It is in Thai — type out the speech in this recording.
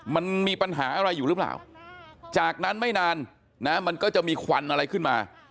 มันมีปัญหาอะไรอยู่หรือเปล่าจากนั้นไม่นานนะมันก็จะมีควันอะไรขึ้นมา